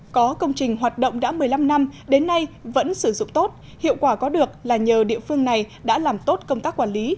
có công trình hoạt động đã một mươi năm năm đến nay vẫn sử dụng tốt hiệu quả có được là nhờ địa phương này đã làm tốt công tác quản lý